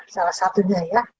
salah satunya ya